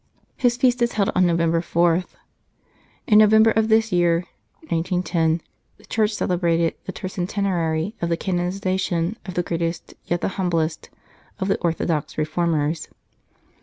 His feast is held on November 4. In November of this year (1910) the Church celebrated the tercentenary of the canonization of the greatest, yet the humblest, of orthodox reformers.